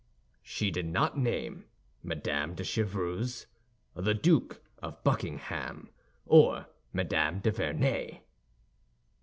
"She did not name Madame de Chevreuse, the Duke of Buckingham, or Madame de Vernet?"